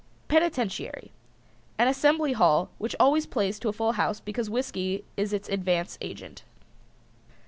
PENITENTIARY. An assembly hall which always plays to a full house because whiskey is it's advance agent.